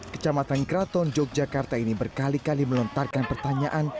kecamatan kraton yogyakarta ini berkali kali melontarkan pertanyaan